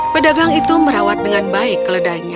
pedagang itu merawat dengan baik keledainya